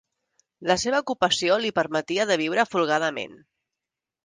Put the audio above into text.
La seva ocupació li permetia de viure folgadament.